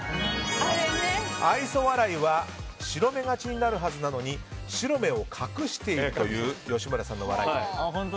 愛想笑いは白目がちになるはずなのに白目を隠しているという吉村さんの笑い顔。